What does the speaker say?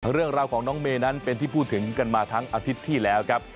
เรื่องราวของน้องเมย์นั้นเป็นที่พูดถึงกันมาทั้งอาทิตย์ที่แล้วครับ